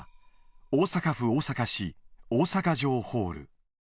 大阪府大阪市、大阪城ホール。